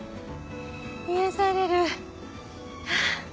癒やされる。